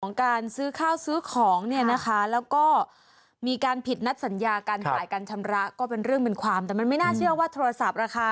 การซื้อข้าวซื้อของเนี่ยนะคะแล้วก็มีการผิดนัดสัญญาการจ่ายการชำระก็เป็นเรื่องเป็นความแต่มันไม่น่าเชื่อว่าโทรศัพท์ราคา